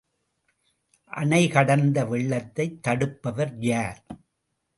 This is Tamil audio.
அணை கடந்த வெள்ளத்தைத் தடுப்பவர் யார்?